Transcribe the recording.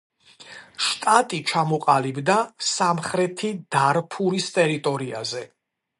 შტატი ჩამოყალიბდა სამხრეთი დარფურის ტერიტორიაზე.